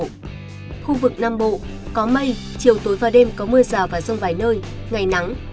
khu vực nam bộ có mây chiều tối và đêm có mưa rào và rông vài nơi ngày nắng